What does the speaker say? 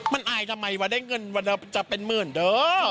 มันอายทำไมวะได้เงินวันจะเป็นหมื่นเด้อ